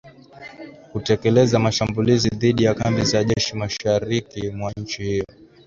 kutekeleza mashambulizi dhidi ya kambi za jeshi mashariki mwa nchi hiyo,